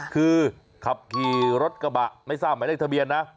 คือขับขี่รถกระบะไม่ทราบหมายเลขทะเบียนนะ